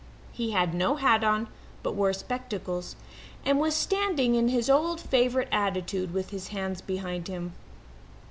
He had no hat on, but wore spectacles, and was standing in his old favourite attitude, with his hands behind him.